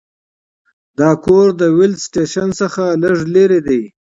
دا کور د ویلډ سټیشن څخه لږ لرې دی